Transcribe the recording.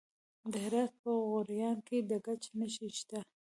د هرات په غوریان کې د ګچ نښې شته.